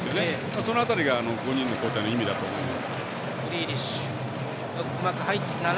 その辺りが５人の交代の意味だと思います。